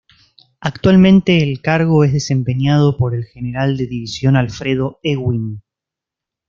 Actualmente el cargo es desempeñado por el General de División Alfredo Ewing.